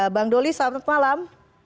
bang doli selamat malam